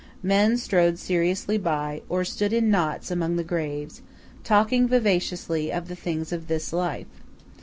Men strode seriously by, or stood in knots among the graves, talking vivaciously of the things of this life.